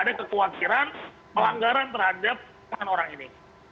ada kekhawatiran pelanggaran terhadap orang ini